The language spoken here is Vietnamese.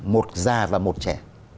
một già và một trẻ